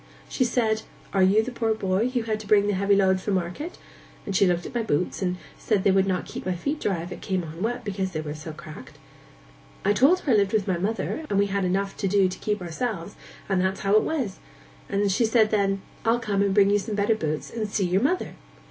She said, "Are you the poor boy who had to bring the heavy load from market?" And she looked at my boots, and said they would not keep my feet dry if it came on wet, because they were so cracked. I told her I lived with my mother, and we had enough to do to keep ourselves, and that's how it was; and she said then, "I'll come and bring you some better boots, and see your mother."